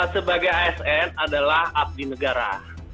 sebagai asn adalah abdi negara